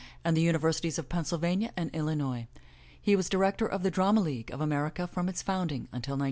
and the Universities of Pennsylvania and Illinois. He was director of the Drama League of America from its founding until 1914.